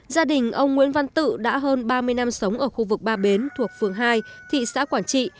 gia đình ông nguyễn văn tự đã hơn ba mươi năm sống ở khu vực ba bến thuộc phường hai thị xã quảng trị